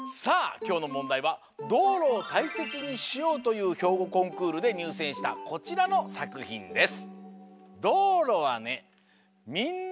きょうのもんだいはというひょうごコンクールでにゅうせんしたこちらのさくひんです。